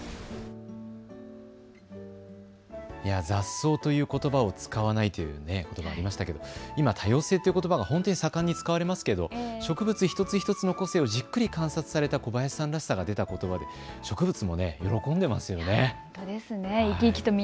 雑草ということを使わないというのがありましたけれども、今、多様性ということばは本当に盛んに使われますが、植物一つ一つの個性をじっくり観察された小林さんらしさが出たことばですよね。